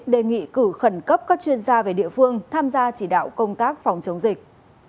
đề nghị cử khẩn cấp các chuyên gia về địa phương tham gia chỉ đạo công tác phòng chống dịch